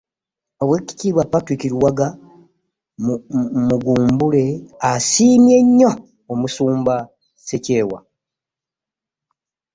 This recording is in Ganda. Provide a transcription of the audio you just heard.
Oweekitiibwa Patrick Luwaga Mugumbule asiimye nnyo omusumba Ssekyewa